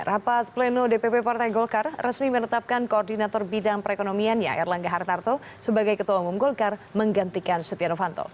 rapat pleno dpp partai golkar resmi menetapkan koordinator bidang perekonomiannya erlangga hartarto sebagai ketua umum golkar menggantikan setia novanto